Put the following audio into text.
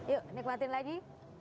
yuk nikmatin lagi